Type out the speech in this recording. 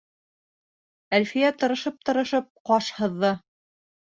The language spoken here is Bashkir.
Әлфиә тырышып-тырышып ҡаш һыҙҙы.